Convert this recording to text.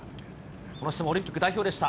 この人もオリンピック代表でした。